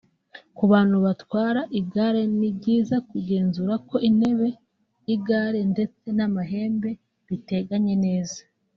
Ku bantu batwara igare ni byiza kugenzura ko intebe y’igare ndetse n’amahembe biteganye neza